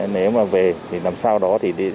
nếu mà về thì làm sao đó